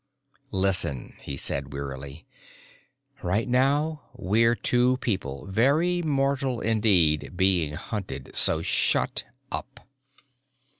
"Listen," he said wearily. "Right now we're two people, very mortal indeed, being hunted. So shut up!"